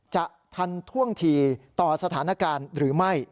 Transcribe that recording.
ทันท่วงทีต่อสถานการณ์หรือไม่